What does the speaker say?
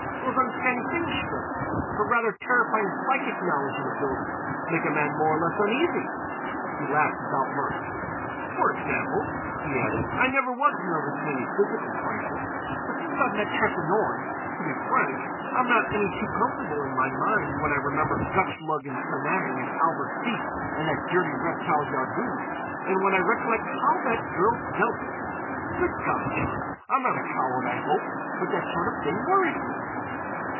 —those uncanny things she does—her rather terrifying psychic knowledge and ability—make a man more or less uneasy." He laughed without mirth. "For example," he added, "I never was nervous in any physical crisis; but since I've met Tressa Norne—to be frank—I'm not any too comfortable in my mind when I remember Gutchlug and Sanang and Albert Feke and that dirty reptile Yarghouz—and when I recollect how that girl dealt with them! Good God, John, I'm not a coward, I hope, but that sort of thing worries me!"